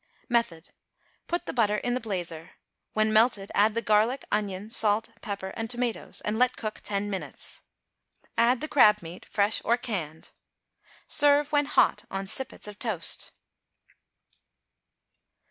Method. Put the butter in the blazer; when melted, add the garlic, onion, salt, pepper and tomatoes, and let cook ten minutes; add the crab meat (fresh or canned). Serve when hot on sippets of toast.